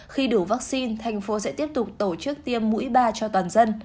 khi đủ vaccine tp hcm sẽ tiếp tục tổ chức tiêm mũi ba cho toàn dân